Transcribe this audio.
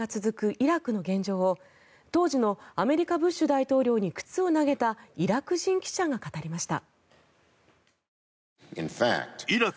イラクの現状を当時の、アメリカブッシュ大統領に靴を投げたイラク人記者が語りました。